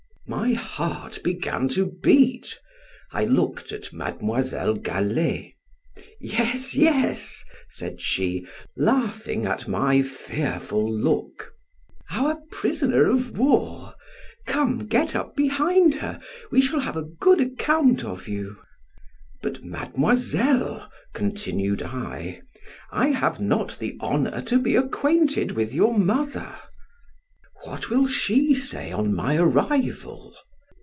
My heart began to beat I looked at Mademoiselle Galley "Yes, yes," added she, laughing at my fearful look; "our prisoner of war; come, get up behind her, we shall give a good account of you." "But, mademoiselle," continued I, "I have not the honor to be acquainted with your mother; what will she say on my arrival?"